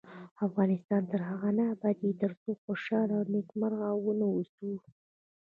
افغانستان تر هغو نه ابادیږي، ترڅو خوشحاله او نیکمرغه ونه اوسو.